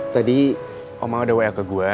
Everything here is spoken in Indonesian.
tadi oma udah wayak ke gue